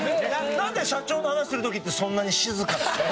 なんで社長の話する時ってそんなに静かなの？